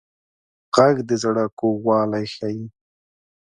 غږ د زړه کوږوالی ښيي